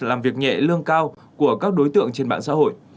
làm việc nhẹ lương cao của các đối tượng trên mạng xã hội